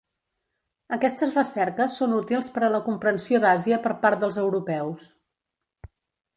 Aquestes recerques són útils per a la comprensió d'Àsia per part dels europeus.